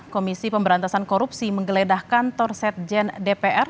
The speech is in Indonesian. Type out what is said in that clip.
komisi pemberantasan korupsi menggeledah kantor sekjen dpr